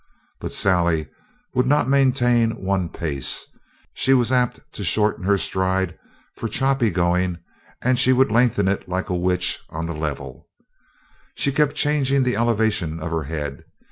But Sally would not maintain one pace. She was apt to shorten her stride for choppy going, and she would lengthen it like a witch on the level. She kept changing the elevation of her head.